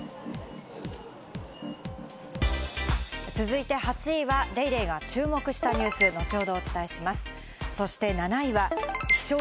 続いて８位は『ＤａｙＤａｙ．』が注目したニュース、後ほどをお伝えします。